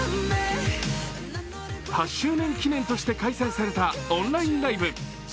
８周年記念として開催されたオンラインライブ。